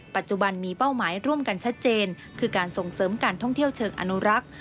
ปัจจุบันมีเป้าหมายร่วมกันชัดเจนคือการส่งเสริมการท่องเที่ยวเชิงอนุรักษ์